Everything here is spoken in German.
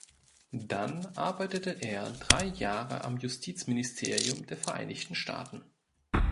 Dann arbeitete er drei Jahre am Justizministerium der Vereinigten Staaten.